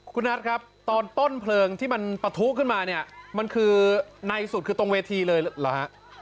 คุณนัทครับตอนต้นเพลิงที่มันปะทุขึ้นมาเนี่ยมันคือในสุดคือตรงเวทีเลยเหรอฮะ